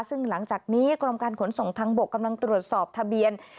ซึ่งหลังจากนี้กรมการขนส่งทางบกกำลังตรวจสอบทะเบียน